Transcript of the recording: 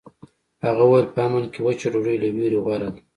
هغه وویل په امن کې وچه ډوډۍ له ویرې غوره ده.